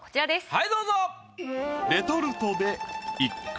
はいどうぞ。